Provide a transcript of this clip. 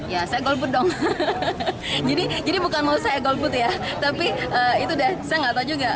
ya saya golput dong jadi bukan mau saya golput ya tapi itu udah saya nggak tahu juga